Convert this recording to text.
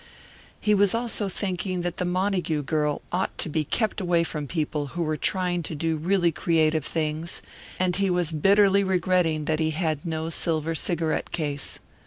He was also thinking that the Montague girl ought to be kept away from people who were trying to do really creative things, and he was bitterly regretting that he had no silver cigarette case.